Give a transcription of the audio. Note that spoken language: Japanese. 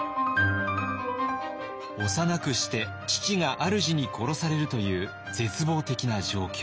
幼くして父があるじに殺されるという絶望的な状況。